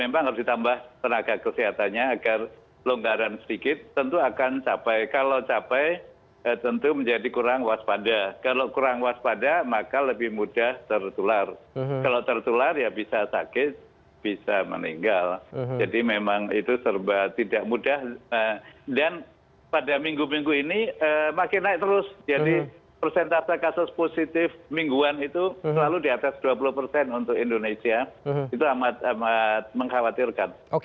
perawat juga harus diatur supaya tidak